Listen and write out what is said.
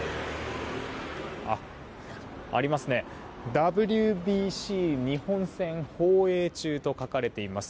ＷＢＣ日本戦放映中と書かれています。